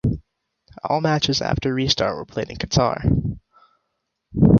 All matches after restart were played in Qatar.